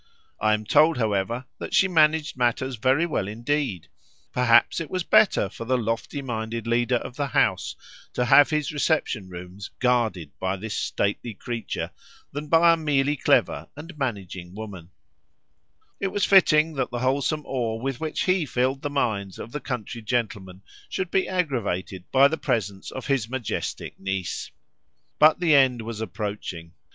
I am told, however, that she managed matters very well indeed: perhaps it was better for the lofty minded leader of the House to have his reception rooms guarded by this stately creature, than by a merely clever and managing woman; it was fitting that the wholesome awe with which he filled the minds of the country gentlemen should be aggravated by the presence of his majestic niece. But the end was approaching.